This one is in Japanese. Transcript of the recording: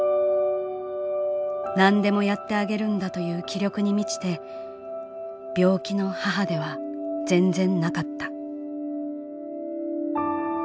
何でもやってあげるんだという気力に満ちて病気の母では全然なかった」。